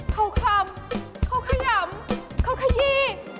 เขาคลำเขาขยำเขาขยี้